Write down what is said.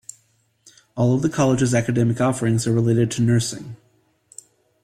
All of the college's academic offerings are related to nursing.